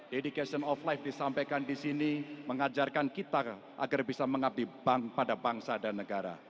dedication of life disampaikan di sini mengajarkan kita agar bisa mengabdi pada bangsa dan negara